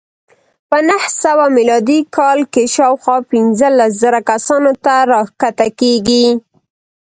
په نهه سوه میلادي کال کې شاوخوا پنځلس زره کسانو ته راښکته کېږي.